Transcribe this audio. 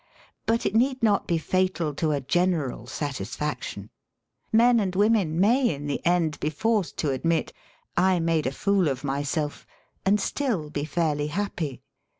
But it need not be fatal to a general satis faction. Men and women may in the end be forced to admit : "I made a fool of myself," and stiQ be fairly happy.